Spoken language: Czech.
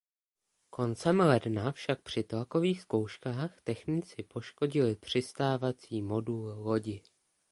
Koncem ledna však při tlakových zkouškách technici poškodili přistávací modul lodi.